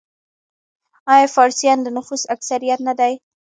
آیا فارسیان د نفوس اکثریت نه دي؟